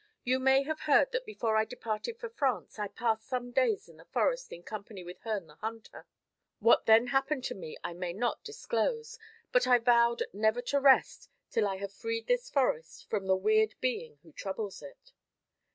"You may have heard that before I departed for France I passed some days in the forest in company with Herne the Hunter. What then happened to me I may not disclose; but I vowed never to rest till I have freed this forest from the weird being who troubles it."